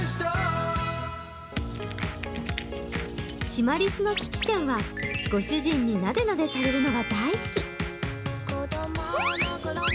シマリスのキキちゃんは、ご主人になでなでされるのが大好き。